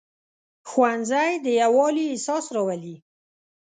ښوونځی د یووالي احساس راولي